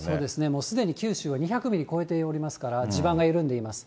もうすでに九州は２００ミリ超えておりますから、地盤が緩んでいます。